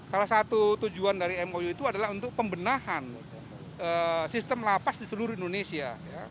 salah satu tujuan dari mou itu adalah untuk pembenahan sistem lapas di seluruh indonesia